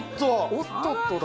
おっとっとだ。